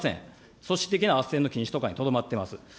組織的なあっせんの禁止とかにとどまってます。